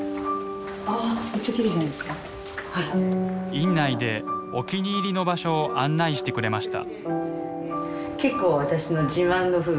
院内でお気に入りの場所を案内してくれました。